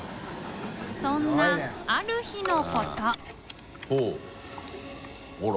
そんなある日のことほぉあら。